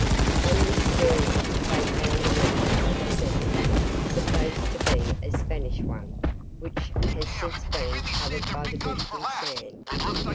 On this journey they found the wreck of a vessel, supposed to be a Spanish one, which has since been covered by the drifting sand.